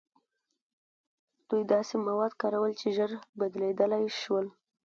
دوی داسې مواد کارول چې ژر بدلیدلی شول.